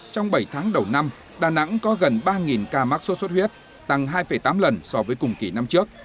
trong bảy tháng đầu năm đà nẵng có gần ba ca mắc sốt xuất huyết tăng hai tám lần so với cùng kỷ năm trước